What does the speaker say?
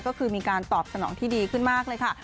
ก็คือมีการตอบสนองที่ดีขึ้นมากเลยค่ะ